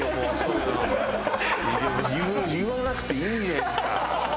いや別に言わなくていいじゃないですか。